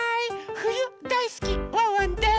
ふゆだいすきワンワンです！